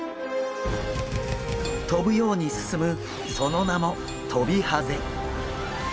跳ぶように進むその名もトビハゼ。